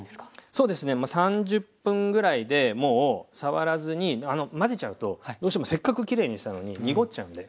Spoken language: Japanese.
そうですね３０分ぐらいでもう触らずに混ぜちゃうとどうしてもせっかくきれいにしたのに濁っちゃうんで。